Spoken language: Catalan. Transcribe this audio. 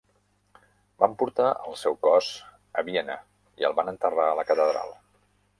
Van portar el seu cos a Viena i el van enterrar a la catedral.